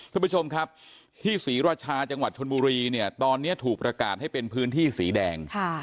คุณผู้ชมครับที่ศรีราชาจังหวัดชนบุรีเนี่ยตอนนี้ถูกประกาศให้เป็นพื้นที่สีแดง